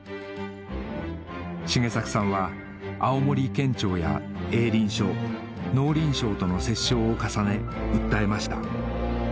繁作さんは青森県庁や営林署農林省との折衝を重ね訴えました